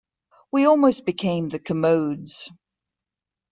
We almost became 'The Commodes!